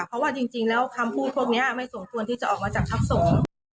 เพราะว่าจริงแล้วคำพูดพวกนี้ไม่สมควรที่จะออกมาจากพักสงฆ์